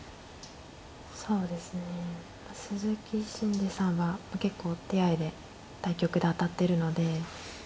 そうですね鈴木伸二さんは結構手合で対局で当たってるので。